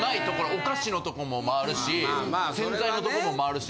お菓子のとこも回るし洗剤のとこも回るし。